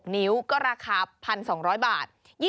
นิ้วก็ราคา๑๒๐๐บาท